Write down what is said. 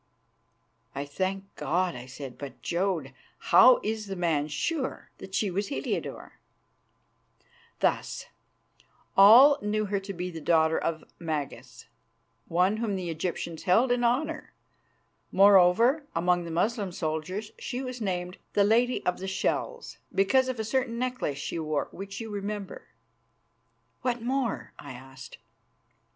"I thank God," I said. "But, Jodd, how is the man sure that she was Heliodore?" "Thus: All knew her to be the daughter of Magas, one whom the Egyptians held in honour. Moreover, among the Moslem soldiers she was named 'the Lady of the Shells,' because of a certain necklace she wore, which you will remember." "What more?" I asked.